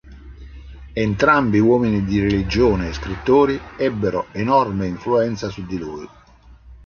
Entrambi uomini di religione e scrittori ebbero enorme influenza su di lui.